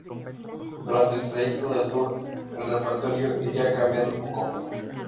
Durante el trayecto del tour el repertorio iría cambiando poco a poco.